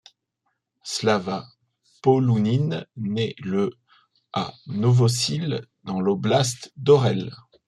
Slava Polounine naît le à Novossil, dans l'oblast d'Orel.